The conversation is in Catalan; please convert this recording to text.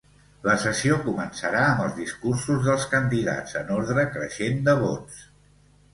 La sessió començarà amb els discursos dels candidats en ordre creixent de vots.